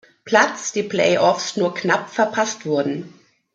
Platz die Play-Offs nur knapp verpasst wurden.